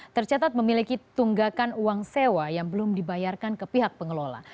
tercatat memiliki tunggakan uang sewa yang belum dibayarkan ke pihak pengelola